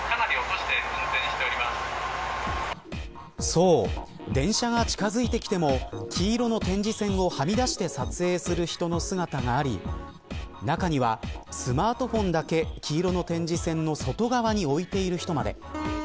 そう、電車が近づいてきても黄色の点字線をはみ出して撮影する人の姿があり中には、スマートフォンだけ黄色の点字線の外側に置いている人まで。